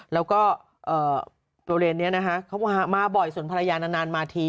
แล้วก็โปรเลนเนี่ยนะฮะเขามาบ่อยส่วนภรรยานานมาที